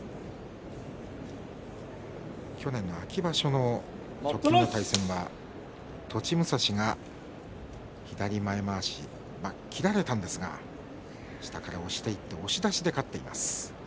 去年の秋場所の直近の対戦は栃武蔵が左前まわし切られたんですが下から押していって押し出しで勝っています。